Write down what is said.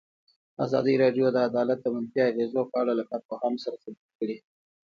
ازادي راډیو د عدالت د منفي اغېزو په اړه له کارپوهانو سره خبرې کړي.